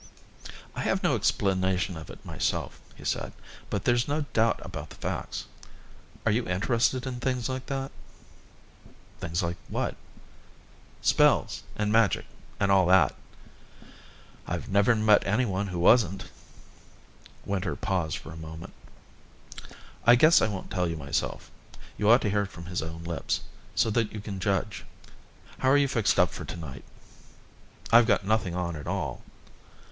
"I have no explanation of it myself," he said. "But there's no doubt about the facts. Are you interested in things like that?" "Things like what?" "Spells and magic and all that." "I've never met anyone who wasn't." Winter paused for a moment. "I guess I won't tell you myself. You ought to hear it from his own lips so that you can judge. How are you fixed up for to night?" "I've got nothing on at all."